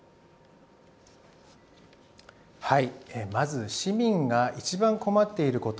まず、市民が一番困っていること。